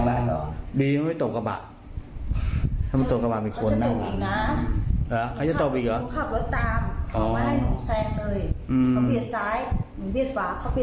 เขาเบียดซ้ายหนูเบียดฝาเขาเบียดฝา